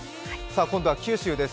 今度は九州です。